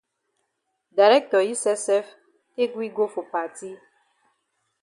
Director yi sef sef take we go for party.